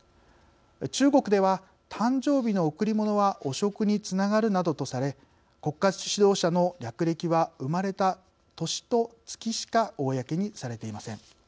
中国では、誕生日の贈り物は汚職につながるなどとされ国家指導者の略歴は生まれた年と月しか公にされていません。